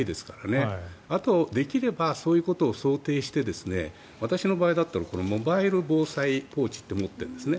あとできればそういうことを想定して私の場合だったらモバイル防災ポーチって持っているんですね。